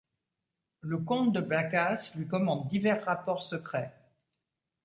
Le comte de Blacas lui commande divers rapports secrets.